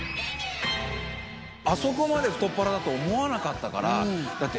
あそこまで太っ腹だと思わなかったから、だって、